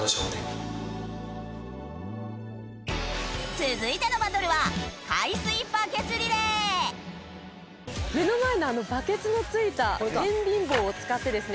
続いてのバトルは目の前のバケツのついた天秤棒を使ってですね